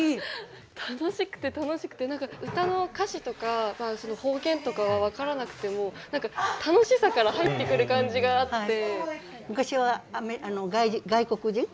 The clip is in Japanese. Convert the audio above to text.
楽しくて楽しくて何か唄の歌詞とか方言とかは分からなくても何か楽しさから入ってくる感じがあって。